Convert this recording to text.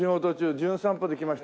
『じゅん散歩』で来ました